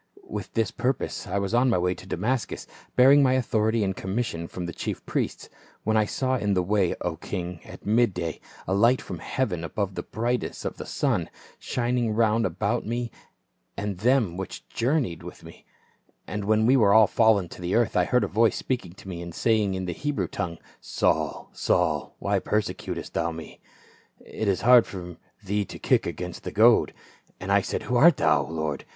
" With this purpose I was on my way to Damascus, bearing my authority and commission from the chief priests ; when I saw in the way, O king, at midday, a light from heaven above the brightness of the sun, shining round about me and them which journeyed 424 FA UL. with me. And when we were all fallen to the earth, I heard a voice speaking to me, and saying in the He brew tongue, Saul, Saul, why persecutest thou me ? It is hard for thee to kick against the goad. And I said, Who art thou, Lord